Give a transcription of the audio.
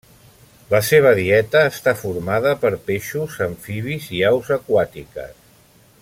La seva dieta està formada per peixos, amfibis i aus aquàtiques.